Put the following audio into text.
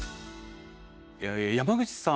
山口さん。